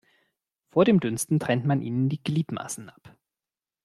Vor dem Dünsten trennt man ihnen die Gliedmaßen ab.